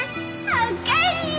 おかえり